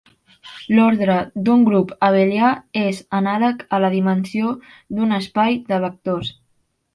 L'ordre d'un grup abelià és anàleg a la dimensió d'un espai de vectors.